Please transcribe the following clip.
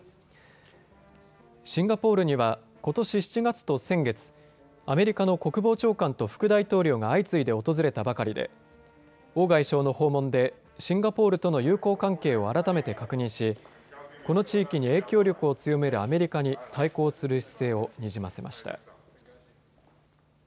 シンガポールにはことし７月と先月、アメリカの国防長官と副大統領が相次いで訪れたばかりで王外相の訪問でシンガポールとの友好関係を改めて確認しこの地域に影響力を強めるアメリカに対抗する姿勢をにじませました。